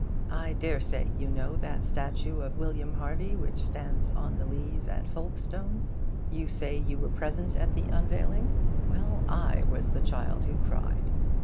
I dare say you know that statue of William Harvey which stands on the Leas at Folkestone. You say you were present at the unveiling? Well, I was the child who cried.